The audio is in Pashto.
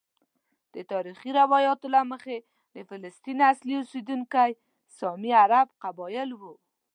د تاریخي روایاتو له مخې د فلسطین اصلي اوسیدونکي سامي عرب قبائل وو.